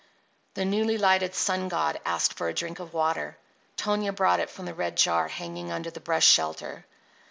The newly lighted sun god asked for a drink of water. Tonia brought it from the red jar hanging under the brush shelter.